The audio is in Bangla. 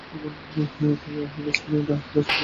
তিনি ডানহাতি ব্যাটসম্যান এবং ডানহাতি ফাস্ট মিডিয়াম বোলার।